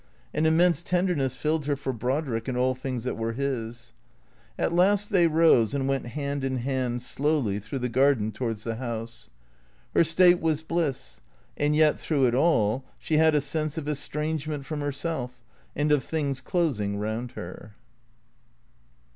An im mense tenderness filled her for Brodrick and all things that were his. At last they rose and went hand in hand, slowly, through the garden towards the house. Her state was bliss; and yet, through it all she had a sense of estrangement from herself, and of things closing round her.